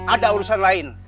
ada urusan lain